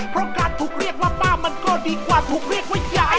เพราะการถูกเรียกว่าป้ามันก็ดีกว่าถูกเรียกว่ายาย